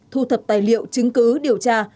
thu thập tài liệu chứng cứ điều tra